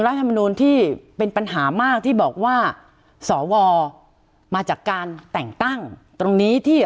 รัฐมนูลที่เป็นปัญหามากที่บอกว่าสวมาจากการแต่งตั้งตรงนี้ที่